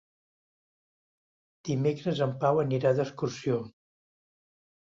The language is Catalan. Dimecres en Pau anirà d'excursió.